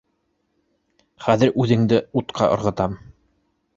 — Хәҙер үҙеңде утҡа ырғытам